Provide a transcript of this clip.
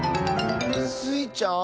⁉スイちゃん？